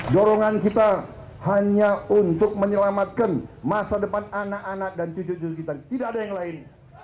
dorongan kita hanya untuk menyelamatkan masa depan anak anak dan cucu cucu kita tidak ada yang lain